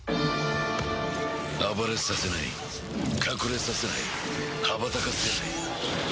暴れさせない、隠れさせない羽ばたかせない。